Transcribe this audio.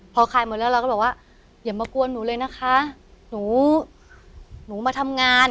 พอขายหมดแล้วเราก็บอกว่าอย่ามากวนหนูเลยนะคะหนูหนูมาทำงาน